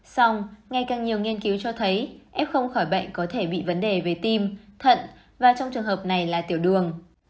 xong ngày càng nhiều nghiên cứu cho thấy ép không khỏi bệnh có thể bị vấn đề về tim thận và trong trường hợp này là tiểu đường